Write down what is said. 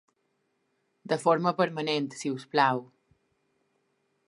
De forma permanent, si us plau.